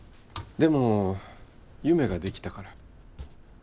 でも夢ができたから。